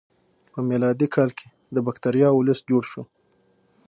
په میلادي کال کې د بکتریاوو لست جوړ شو.